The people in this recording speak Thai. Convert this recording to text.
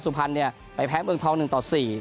สุพรรณเนี่ยไปแพ้เมืองทอง๑ต่อ๔